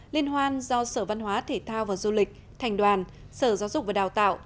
liên hoan do sở văn hóa thể thao và du lịch thành đoàn sở giáo dục và đào tạo